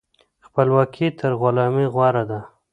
خپلواکي تر غلامۍ غوره ده.